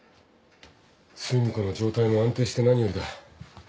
寿美子の状態が安定して何よりだ。